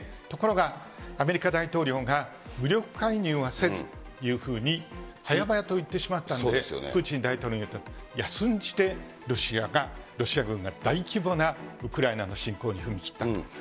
ところが、アメリカ大統領が武力介入はせずというふうに、早々と言ってしまったんで、プーチン大統領にとっては安んじてロシア軍が大規模なウクライナの侵攻に踏み切ったと。